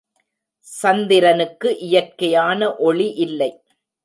சந்திரனுக்கு இயற்கையான ஒளி இல்லை.